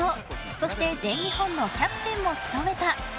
そして全日本のキャプテンも務めた。